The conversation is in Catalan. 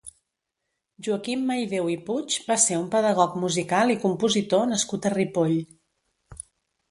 Joaquim Maideu i Puig va ser un pedagog musical i compositor nascut a Ripoll.